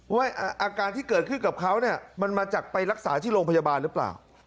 ว่าอาการที่เกิดขึ้นกับเขาเนี่ยมันมาจากไปรักษาที่โรงพยาบาลหรือเปล่า